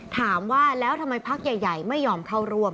ถามว่าแล้วทำไมพักใหญ่ไม่ยอมเข้าร่วม